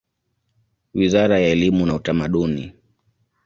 Wizara ya elimu na Utamaduni.